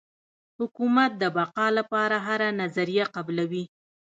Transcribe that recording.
حکومت د بقا لپاره هره نظریه قبلوي.